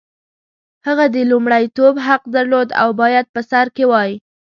هغه د لومړیتوب حق درلود او باید په سر کې وای.